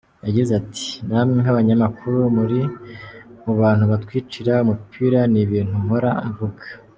Yagize ati ”Namwe nk’abanyamakuru muri mu bantu batwicira umupira, ni ibintu mpora mvuga.